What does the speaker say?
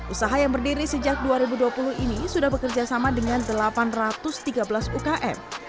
usaha yang berdiri sejak dua ribu dua puluh ini sudah bekerja sama dengan delapan ratus tiga belas ukm